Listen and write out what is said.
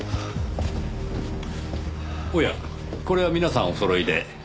おやこれは皆さんおそろいで。